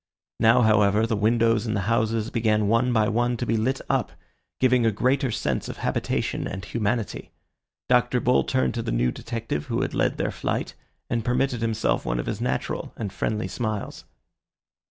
Now, however, the windows in the houses began one by one to be lit up, giving a greater sense of habitation and humanity. Dr. Bull turned to the new detective who had led their flight, and permitted himself one of his natural and friendly smiles.